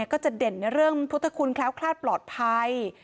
ก็จะเด่นในเรื่องพุทธคุณแคล้วคลาดปลอดภัย